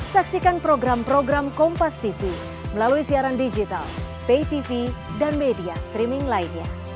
saksikan program program kompastv melalui siaran digital paytv dan media streaming lainnya